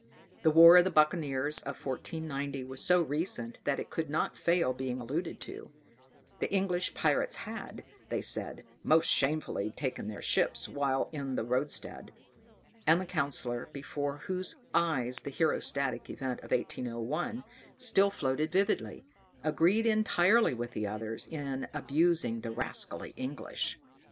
The war of the buccaneers of 1490 was so recent that it could not fail being alluded to; the English pirates had, they said, most shamefully taken their ships while in the roadstead; and the Councillor, before whose eyes the Herostratic [*] event of 1801 still floated vividly, agreed entirely with the others in abusing the rascally English.